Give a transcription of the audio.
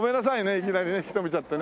いきなりね引き留めちゃってね。